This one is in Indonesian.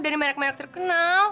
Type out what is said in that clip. dan yang merek merek terkenal